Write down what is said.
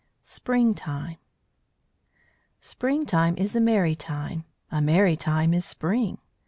SPRING TIME Spring time is a merry time, A merry time is Spring!